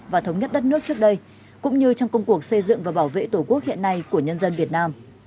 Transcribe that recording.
và thống nhất đất nước trước đây cũng như trong công cuộc xây dựng và bảo vệ tổ quốc hiện nay của nhân dân việt nam